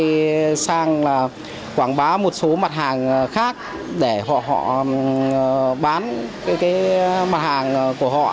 thì sang là quảng bá một số mặt hàng khác để họ bán cái mặt hàng của họ